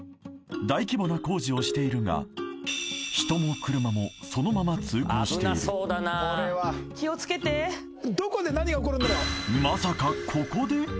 大規模な工事をしているが人も車もそのまま通行しているまさかここで？